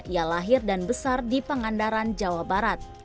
ia lahir dan besar di pangandaran jawa barat